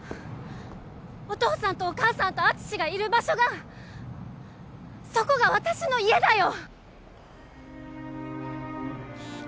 お父さんとお母さんと敦がいる場所がそこが私の家だよ！